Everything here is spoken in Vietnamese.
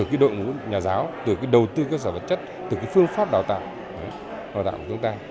từ đội ngũ nhà giáo từ đầu tư cơ sở vật chất từ phương pháp đào tạo của chúng ta